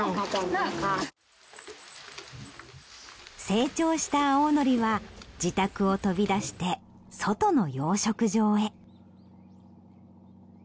成長した青のりは自宅を飛び出して外の養殖場へ。